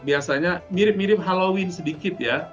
biasanya mirip mirip halloween sedikit ya